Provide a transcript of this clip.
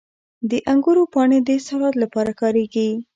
• د انګورو پاڼې د سالاد لپاره کارېږي.